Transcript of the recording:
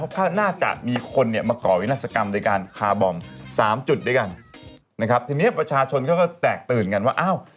น่าจะมีคนเนี่ยมาก่อวินาศกรรมโดยการคาร์บอมสามจุดด้วยกันนะครับทีนี้ประชาชนเขาก็แตกตื่นกันว่าอ้าว